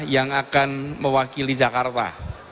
yang akan mewakili jakarta